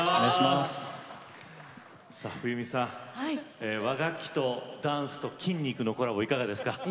冬美さん、和楽器とダンスと筋肉のコラボいかがですか？